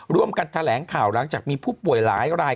ร่วมกันแถลงข่าวหลังจากมีผู้ป่วยหลายราย